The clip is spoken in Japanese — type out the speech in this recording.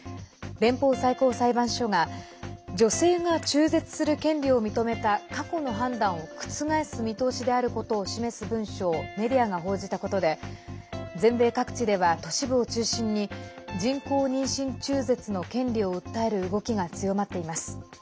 連邦最高裁判所が女性が中絶する権利を認めた過去の判断を覆す見通しであることを示す文書をメディアが報じたことで全米各地では都市部を中心に人工妊娠中絶の権利を訴える動きが強まっています。